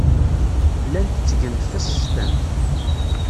Llant ttgent tasestant.